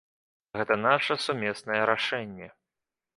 Гэта наша сумеснае рашэнне.